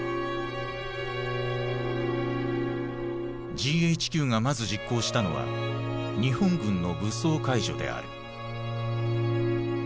ＧＨＱがまず実行したのは日本軍の武装解除である。